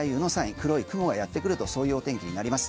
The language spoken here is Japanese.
黒い雲がやってくるとそういうお天気になります。